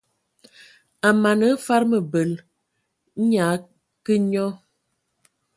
A mana hm fad mǝbǝl, nnye a akǝ nyɔ.